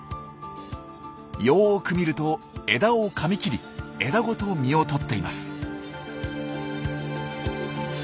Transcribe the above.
よく見ると枝をかみ切り枝ごと実をとっています。